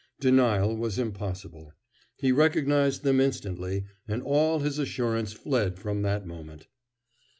Denial was impossible. He recognized them instantly, and all his assurance fled from that moment.